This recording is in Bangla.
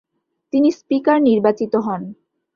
তিনি স্পিকার নির্বাচিত হন।